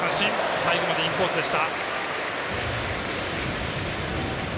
最後までインコースでした。